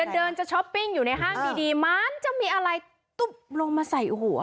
เดินจะช้อปปิ้งอยู่ในห้างดีมันจะมีอะไรตุ๊บลงมาใส่หัว